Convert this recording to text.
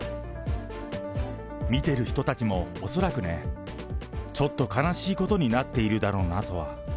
見てる人たちも恐らくね、ちょっと悲しいことになっているだろうなとは。